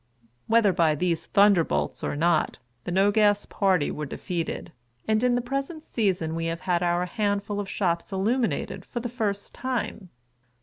Whether by these thunderbolts or not, the No Gas party were defeated ; and in this present season we have had our handful, of shops illuminated for the first time.